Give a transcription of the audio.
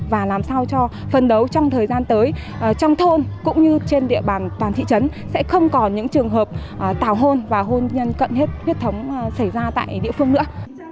và làm sao cho phân đấu trong thời gian tới trong thôn cũng như trên địa bàn toàn thị trấn sẽ không còn những trường hợp tào hôn và hôn nhân cận huyết thống xảy ra tại địa phương nữa